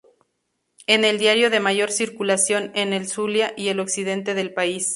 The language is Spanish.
Es el diario de mayor circulación en el Zulia y el occidente del país.